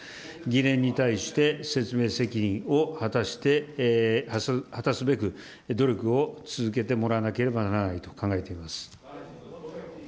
疑念に対して説明責任を果たして、果たすべく、努力を続けてもらわなければならないと考えております。